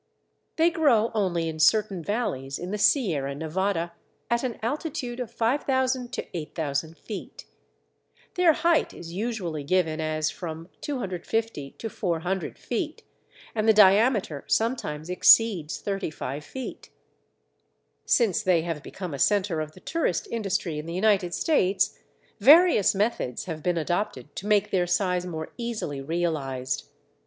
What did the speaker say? They grow only in certain valleys in the Sierra Nevada, at an altitude of 5000 8000 feet. Their height is usually given as from 250 400 feet, and the diameter sometimes exceeds thirty five feet. Since they have become a centre of the tourist industry in the United States, various methods have been adopted to make their size more easily realized.